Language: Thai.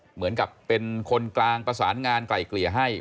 เหมือนกับเป็นคนกลางประสานงานไกล่เกลี่ยให้